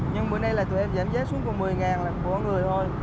nhưng bữa nay là tụi em giảm giá xuống cùng một mươi là của người thôi